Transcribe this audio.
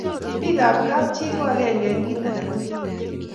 bik ab kap chii ko akenge eng kit akatugul